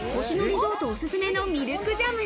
リゾートおすすめのミルクジャム。